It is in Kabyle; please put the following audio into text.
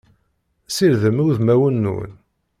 Sirdem udmawen-nwen!